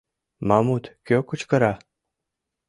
Мамут, кӧ кычкыра?